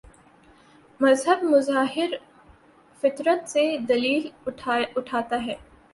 مذہب مظاہر فطرت سے دلیل اٹھاتا ہے۔